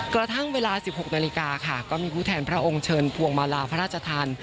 กระทั่งเวลา๑๖นาฬิกาค่ะก็มีผู้แทนพระองค์เชิญพวงมาลาพระราชทาน